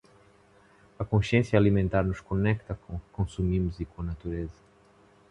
A consciência alimentar nos conecta com o que consumimos e com a natureza.